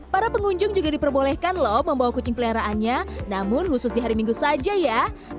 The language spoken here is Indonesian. para pengunjung juga diperbolehkan loh membawa kucing peliharaannya namun khusus di hari minggu saja ya